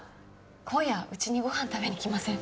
今夜うちにごはん食べに来ません？